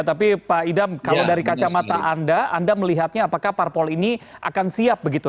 tapi pak idam kalau dari kacamata anda anda melihatnya apakah parpol ini akan siap begitu